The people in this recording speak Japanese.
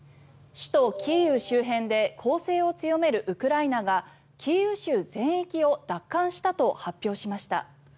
首都キーウ周辺で攻勢を強めるウクライナがキーウ州全域を奪還したと発表しました。